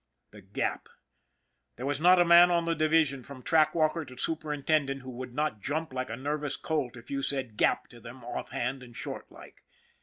The Gap! There was not a man on the division, from track walker to superintendent, who would not jump like a nervous colt if you said " Gap !" to them offhand and short like.